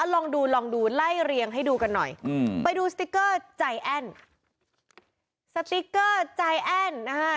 ลองดูลองดูไล่เรียงให้ดูกันหน่อยอืมไปดูสติ๊กเกอร์ใจแอ้นสติ๊กเกอร์ใจแอ้นนะฮะ